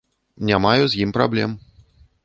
Не маю з ім праблем.